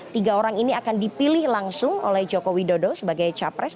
tiga orang ini akan dipilih langsung oleh joko widodo sebagai capres